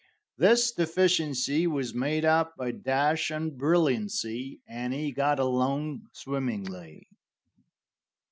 This deficiency was made up by dash and brilliancy, and he got along swimmingly.